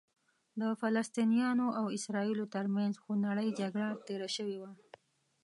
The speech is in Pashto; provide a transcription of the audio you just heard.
د فلسطینیانو او اسرائیلو ترمنځ خونړۍ جګړه تېره شوې وه.